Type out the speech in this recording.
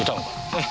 ええ。